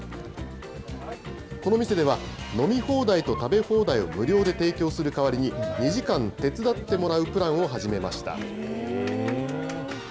この店では、飲み放題と食べ放題を無料で提供する代わりに、２時間手伝ってもらうプランを始めました。